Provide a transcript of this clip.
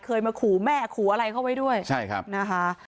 เคยมาขู่แม่ขู่อะไรเขาไว้ด้วยใช่ครับนะคะ